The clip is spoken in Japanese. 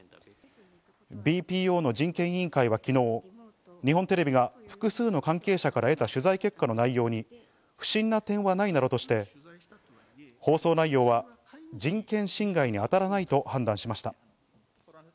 ＢＰＯの人権委員会は昨日、日本テレビが複数の関係者から得た取材結果の内容に不審な点はないなどとして、放送内容は人権侵害に当たらないと判断しました。